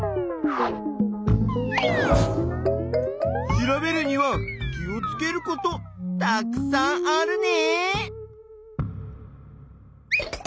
調べるには気をつけることたくさんあるね！